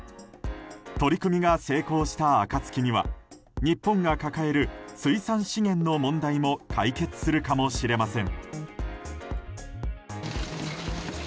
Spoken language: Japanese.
取り組みが成功した暁には日本が抱える水産資源の問題も解決するかもしれません。